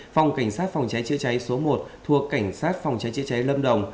phòng cảnh sát phòng cháy chia cháy số một thuộc cảnh sát phòng cháy chia cháy lâm đồng